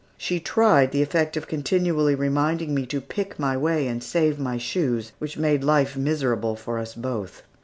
She tried the effect of continually reminding me to pick my way and save my shoes, which made life miserable for us both.